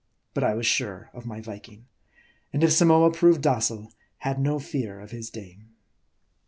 But I was sure of my Viking ; and if Samoa proved docile, had no fear of his dame.